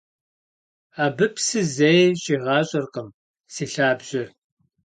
Абы псы зэи щигъащӀэркъым си лъабжьэр.